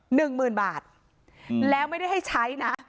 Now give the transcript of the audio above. ๑หมื่นบาทแล้วไม่ได้ให้ใช้นะ